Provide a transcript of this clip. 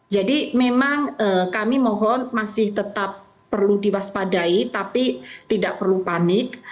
jadi memang kami mohon masih tetap perlu diwaspadai tapi tidak perlu panik